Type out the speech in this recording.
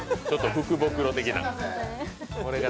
福袋的な。